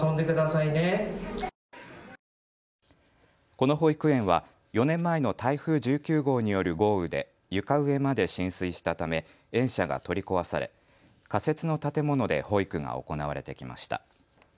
この保育園は４年前の台風１９号による豪雨で床上まで浸水したため園舎が取り壊され仮設の建物で保育が行われてきました。